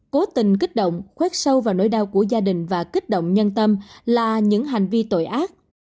cố tình kích động khoét sâu vào nỗi đau của gia đình và kích động nhân tâm là những hành vi tội ác